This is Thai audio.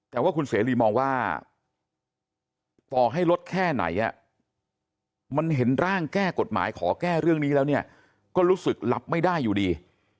แต่ว่าคุณเสรีมองว่าต่อให้ลดแค่ไหนมันเห็นร่างแก้กฎหมายขอแก้เรื่องนี้แล้วเนี่ยก็รู้สึกรับไม่ได้อยู่ดี